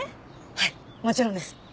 はいもちろんです。